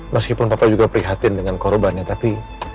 meskipun papa juga prihatin dengan korbannya tapi